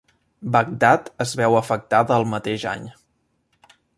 Bagdad es veu afectada el mateix any.